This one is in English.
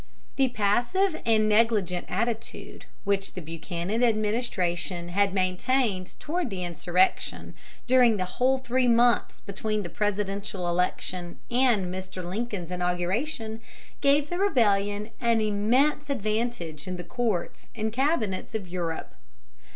The passive and negligent attitude which the Buchanan administration had maintained toward the insurrection during the whole three months between the presidential election and Mr. Lincoln's inauguration, gave the rebellion an immense advantage in the courts and cabinets of Europe.